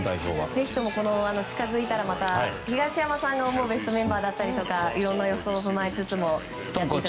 ぜひとも近づいたらまた東山さんが思うベストメンバーだったりいろいろな予想を踏まえつつ。